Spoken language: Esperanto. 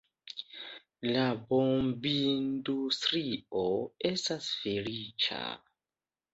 La bombindustrio estas feliĉa.